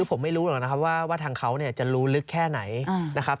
ผมไม่รู้หรอกนะครับว่าทางเขาจะรู้ลึกแค่ไหนนะครับ